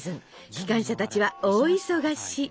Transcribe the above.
機関車たちは大忙し。